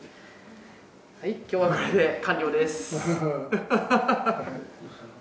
はい今日はこれで完了です。